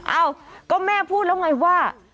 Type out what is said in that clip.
เอ้าก็แม่พูดแล้วไงว่า